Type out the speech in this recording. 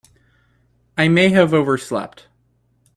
I may have overslept.